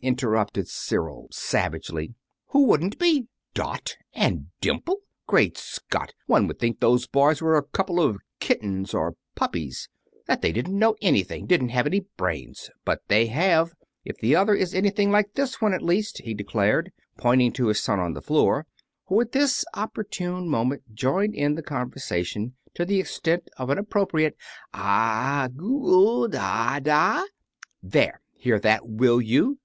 interrupted Cyril, savagely. "Who wouldn't be? 'Dot' and 'Dimple'! Great Scott! One would think those boys were a couple of kittens or puppies; that they didn't know anything didn't have any brains! But they have if the other is anything like this one, at least," he declared, pointing to his son on the floor, who, at this opportune moment joined in the conversation to the extent of an appropriate "Ah goo da da!" "There, hear that, will you?"